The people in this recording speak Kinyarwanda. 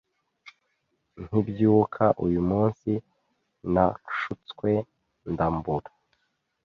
Nkibyuka uyu munsi, nashutswe, ndambura,